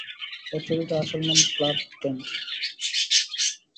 এই চরিত্রের আসল নাম ক্লার্ক কেন্ট।